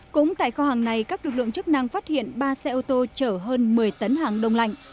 cũng tại kho hàng này các lực lượng chức năng phát hiện ba xe ô tô chở hơn một mươi tấn hàng đông lạnh